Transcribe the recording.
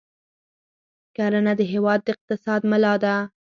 کرنه د هېواد د اقتصاد ملا ده.